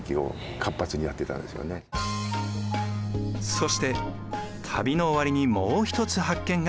そして旅の終わりにもう一つ発見が。